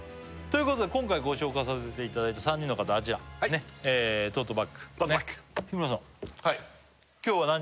今回ご紹介させていただいた３人の方はあちらトートバッグ日村さんあ